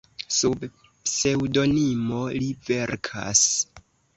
Sub pseŭdonimo li verkas.